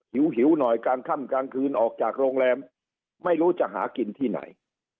หิวหน่อยกลางค่ำกลางคืนออกจากโรงแรมไม่รู้จะหากินที่ไหน